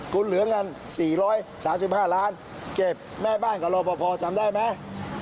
คุณเหลือเงิน๔๓๕ล้านเก็บแม่บ้านกับรอปภจำได้ไหม